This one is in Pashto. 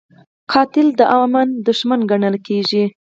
قاتل د امن دښمن ګڼل کېږي